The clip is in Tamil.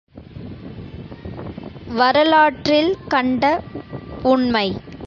வரலற்றில் கண்ட உண்மை!